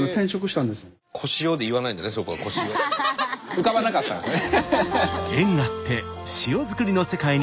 浮かばなかったんですね。